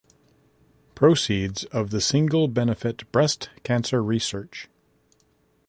Proceeds of the single benefit breast cancer research.